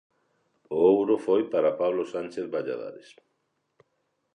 O ouro foi para Pablo Sánchez Valladares.